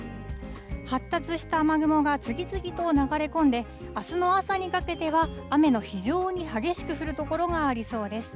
発達した雨雲が次々と流れ込んで、あすの朝にかけては雨の非常に激しく降る所がありそうです。